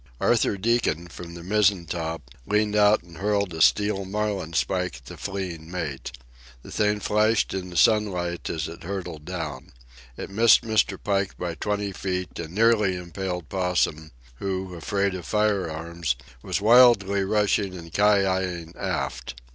Arthur Deacon, from the mizzen top, leaned out and hurled a steel marlin spike at the fleeing mate. The thing flashed in the sunlight as it hurtled down. It missed Mr. Pike by twenty feet and nearly impaled Possum, who, afraid of firearms, was wildly rushing and ki yi ing aft.